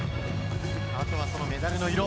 あとはメダルの色。